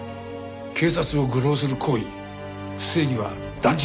警察を愚弄する行為不正義は断じて許さん。